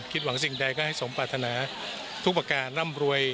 หวังสิ่งใดก็ให้สมปรารถนาทุกประการร่ำรวย